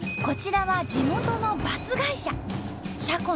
こちらは地元のバス会社。